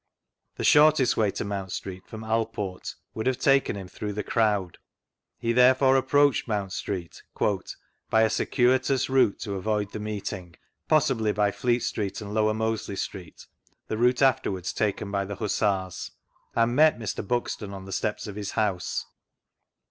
The shortest way to Moimt Street from Alport would have taken him through the crowd. He therefore approached Mount Street " by a circuitous route to avoid the meeting " (possibly by Fleet Street and Lower Mosley Street, the route afterwards taken by the Hussars), and met Mr. Buxton on the steps ofhis house.